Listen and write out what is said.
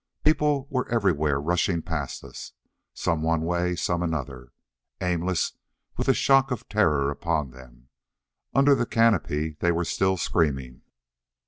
People were everywhere rushing past us, some one way, some another. Aimless, with the shock of terror upon them. Under the canopy they were still screaming.